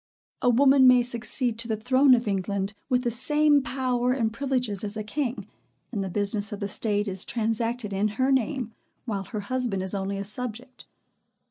A woman may succeed to the throne of England with the same power and privileges as a king; and the business of the state is transacted in her name, while her husband is only a subject.